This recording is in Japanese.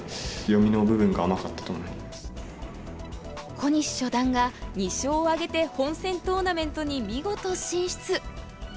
小西初段が２勝を挙げて本戦トーナメントに見事進出。